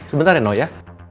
sebentar ya no ya